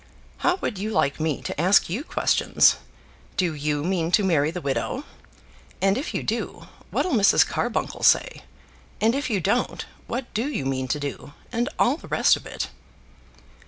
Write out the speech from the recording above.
"How would you like me to ask you questions? Do you mean to marry the widow? And, if you do, what'll Mrs. Carbuncle say? And if you don't, what do you mean to do; and all the rest of it?"